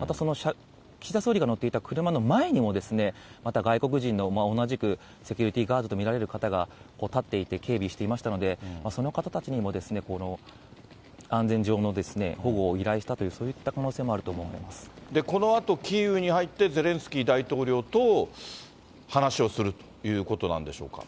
またその岸田総理が乗っていた前にも、また外国人の同じくセキュリティーガードと見られる方が立っていて、警備していましたので、その方たちにも安全上の保護を依頼したと、そういった可能性もあこのあとキーウに入って、ゼレンスキー大統領と話をするということなんでしょうか。